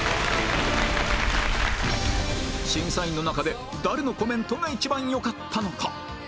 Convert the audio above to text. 審査員の中で誰のコメントが一番よかったのか？